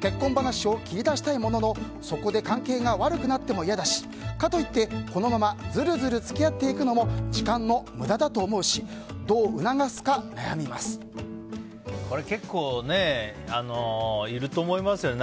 結婚話を切り出したいもののそこで関係が悪くなっても嫌だしかといって、このままずるずる付き合っていくのも時間の無駄だと思うしどう促すか結構いると思いますよね。